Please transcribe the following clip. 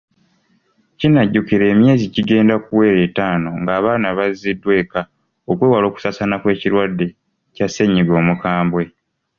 Kinajjukirwa emyezi gigenda kuwera ettaano nga abaana baziddwa eka okwewala okusaasaana kw’ekirwadde kya ssennyiga omukambwe.